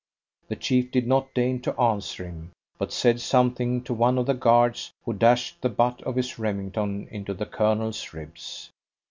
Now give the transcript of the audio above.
The chief did not deign to answer him, but said something to one of the guards, who dashed the butt of his Remington into the Colonel's ribs.